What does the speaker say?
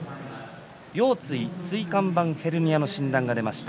腰椎椎間板ヘルニアの診断が出ました。